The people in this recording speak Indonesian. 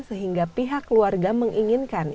sehingga pihak keluarga menginginkan